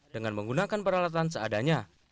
dengan menggunakan peralatan seadanya